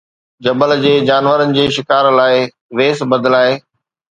جبل جي جانورن جي شڪار لاءِ ويس بدلائي